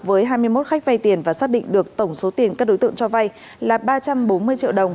với hai mươi một khách vay tiền và xác định được tổng số tiền các đối tượng cho vay là ba trăm bốn mươi triệu đồng